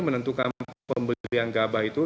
menentukan pembelian gabah itu